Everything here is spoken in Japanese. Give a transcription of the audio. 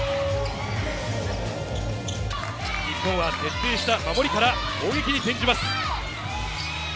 日本は徹底した守りから攻撃に転じます。